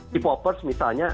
di popers misalnya